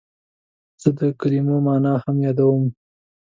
زه د کلمو مانا هم یادوم.